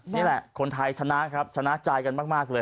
นี่แหละคนไทยชนะครับชนะใจกันมากเลย